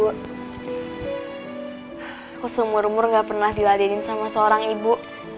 aku seumur umur gak pernah diladenin sama seorang ibu